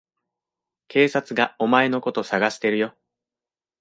警察がお前のこと捜してるよ。